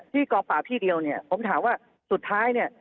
ที่กองปราบที่เดียวผมถามว่าสุดท้าย